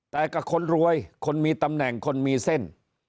แต่กับคนรวยคนมีตำแหน่งคนมีเส้น